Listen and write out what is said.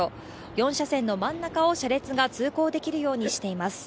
４車線の真ん中を車列が通行できるようにしています。